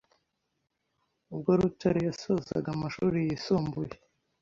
Ubwo Rutare yasozaga amashuri yisumbuye